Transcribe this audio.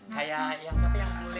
kayak yang siapa yang bule bule